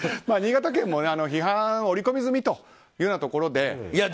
新潟県も批判は織り込み済みというところで。